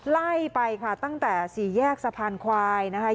ไล่ไปค่ะตั้งแต่สี่แยกสะพานควายนะคะ